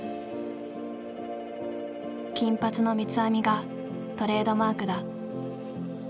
金髪の三つ編みがトレードマークだ。